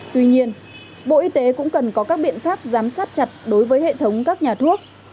tuy nhiên bộ y tế cũng cần có các biện pháp giám sát chặt đối với hệ thống các nhà thuốc